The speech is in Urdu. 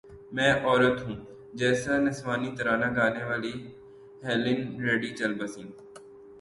میں عورت ہوں جیسا نسوانی ترانہ گانے والی ہیلن ریڈی چل بسیں